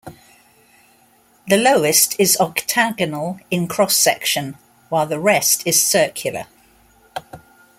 The lowest is octagonal in cross section while the rest is circular.